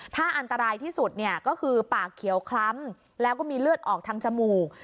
ถ้าอันตรายที่สุดเนี่ยก็คือปากเขียวคล้ำแล้วก็มีเลือดออกทางจมูก